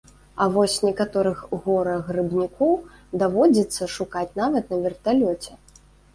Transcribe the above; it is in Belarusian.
А вось некаторых гора-грыбнікоў даводзіцца шукаць нават на верталёце.